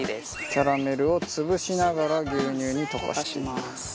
キャラメルをつぶしながら牛乳に溶かしていく。